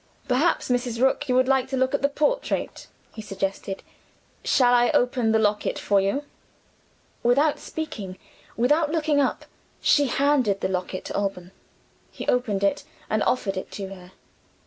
"Perhaps, Mrs. Rook, you would like to look at the portrait?" he suggested. "Shall I open the locket for you?" Without speaking, without looking up, she handed the locket to Alban. He opened it, and offered it to her.